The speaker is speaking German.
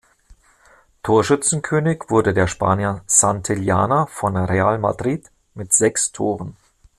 Torschützenkönig wurde der Spanier Santillana von Real Madrid mit sechs Toren.